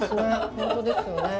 本当ですよね。